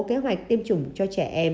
kế hoạch tiêm chủng cho trẻ em